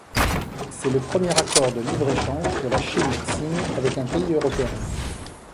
C'est le premier accord de libre-échange que la Chine signe avec un pays européen.